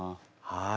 はい！